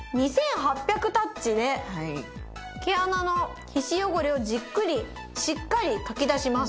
タッチで毛穴の皮脂汚れをじっくりしっかりかき出します。